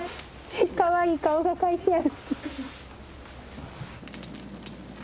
かわいい顔が描いてある！